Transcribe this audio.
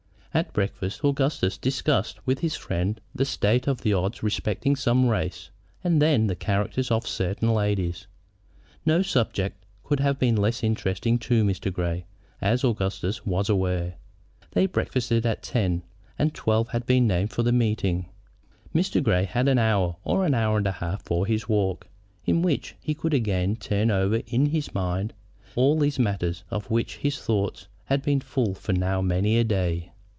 At breakfast Augustus discussed with his friend the state of the odds respecting some race and then the characters of certain ladies. No subjects could have been less interesting to Mr. Grey, as Augustus was aware. They breakfasted at ten, and twelve had been named for the meeting. Mr. Grey had an hour or an hour and a half for his walk, in which he could again turn over in his mind all these matters of which his thoughts had been full for now many a day.